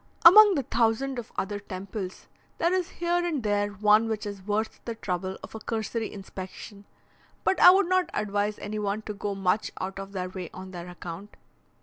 Among the thousand of other temples, there is here and there one which is worth the trouble of a cursory inspection, but I would not advise any one to go much out of their way on their account.